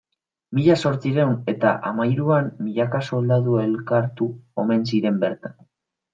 Mila zortziehun eta hamahiruan milaka soldadu elkartu omen ziren bertan.